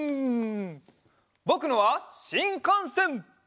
ぼくのはしんかんせん！